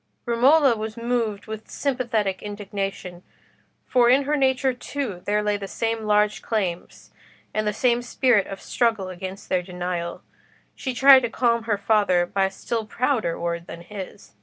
Romola was moved with sympathetic indignation, for in her nature too there lay the same large claims, and the same spirit of struggle against their denial. She tried to calm her father by a still prouder word than his.